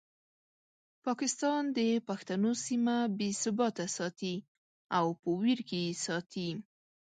پاکستان د پښتنو سیمه بې ثباته ساتي او په ویر کې یې ساتي.